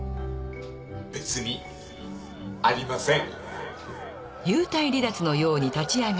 別にありません！